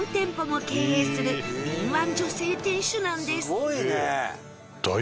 すごいね！